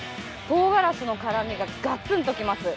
とうがらしの辛みがガツンと来ます。